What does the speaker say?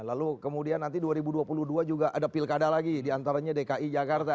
lalu kemudian nanti dua ribu dua puluh dua juga ada pilkada lagi diantaranya dki jakarta